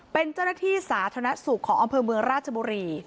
เป็นเจ้าหน้าที่สาธารณสุขของอำเภอเมืองราชบุรี